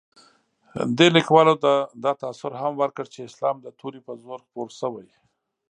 دې لیکوالو دا تاثر هم ورکړ چې اسلام د تورې په زور خپور شوی.